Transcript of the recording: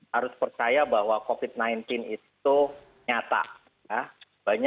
harus percaya bahwa covid sembilan belas itu nyata